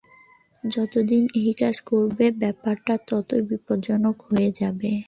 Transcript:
যতদিন একাজ করবে, ব্যাপারটা ততোই বিপজ্জনক হয়ে যাবে।